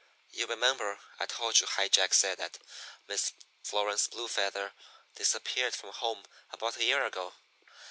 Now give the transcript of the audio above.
You remember I told you High Jack said that Miss Florence Blue Feather disappeared from home about a year ago?